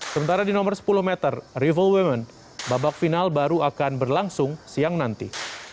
sementara di nomor sepuluh meter rival women babak final baru akan berlangsung siang nanti